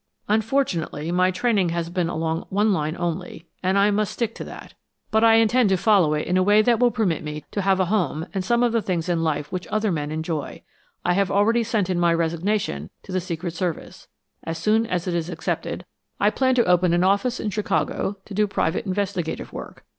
"Unfortunately, my training has been along one line only, and I must stick to that. But I intend to follow it in a way that will permit me to have a home, and some of the things in life which other men enjoy. I have already sent in my resignation to the Secret Service. As soon as it is accepted I plan to open an office in Chicago, to do private investigative work.